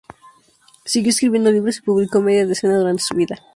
Siguió escribiendo libros y publicó media decena durante su vida.